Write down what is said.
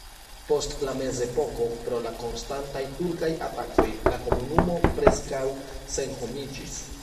Post la mezepoko pro la konstantaj turkaj atakoj la komunumo preskaŭ senhomiĝis.